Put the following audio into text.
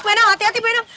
benang hati hati benang